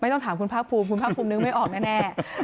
ต้องถามคุณภาคภูมิคุณภาคภูมินึกไม่ออกแน่